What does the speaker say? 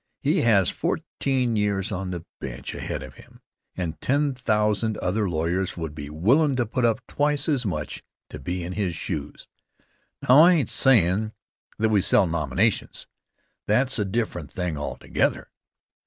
He has fourteen years on the bench ahead of him, and ten thousand other lawyers would be willin' to put up twice as much to be in his shoes. Now, I ain't sayin' that we sell nominations. That's a different thing altogether.